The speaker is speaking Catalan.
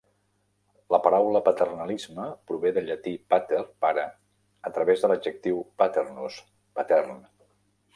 La paraula paternalisme prové del llatí "pater" (pare) a través de l'adjectiu "paternus" (patern).